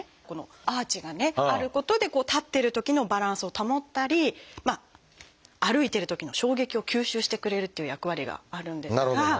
このアーチがあることで立ってるときのバランスを保ったり歩いてるときの衝撃を吸収してくれるっていう役割があるんですが。